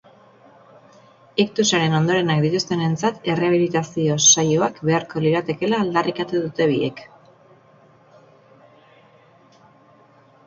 Iktusaren ondorenak dituztenentzat errehabilitazio saioak beharko liratekeela aldarrikatu dute biek.